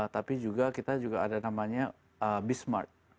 tapi juga kita juga ada namanya be smart